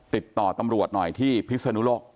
ติดต่อตำรวจหน่อยที่พิศนุโลก